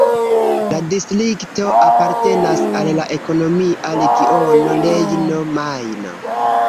La distrikto apartenas al la ekonomia regiono Rejno-Majno.